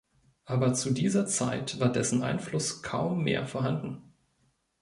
Aber zu dieser Zeit war dessen Einfluss kaum mehr vorhanden.